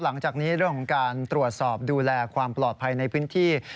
หลังจากนี้เรื่องของการตรวจสอบดูแลความปลอดภัยในพื้นที่